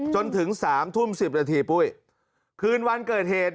จนถึง๓ทุ่ม๑๐นาทีคืนวันเกิดเหตุ